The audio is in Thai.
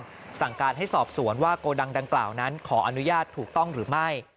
สั่งการให้สอบสวนว่าโกดังดังกล่าวนั้นขออนุญาตถูกต้องหรือไม่